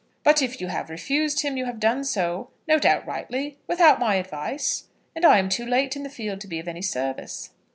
"But if you have refused him, you have done so, no doubt rightly, without my advice; and I am too late in the field to be of any service."